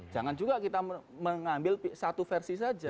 jangan juga kita mengambil satu versi saja